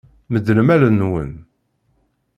Medlem allen-nwen.